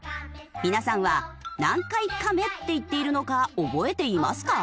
皆さんは何回「かめ」って言っているのか覚えていますか？